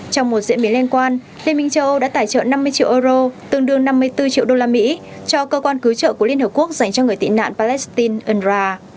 trong một diễn biến liên quan liên minh châu âu đã tài trợ năm mươi triệu euro tương đương năm mươi bốn triệu đô la mỹ cho cơ quan cứu trợ của liên hợp quốc dành cho người tị nạn palestine unrwa